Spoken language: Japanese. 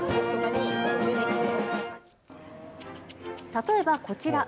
例えばこちら。